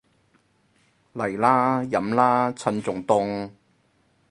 嚟啦，飲啦，趁仲凍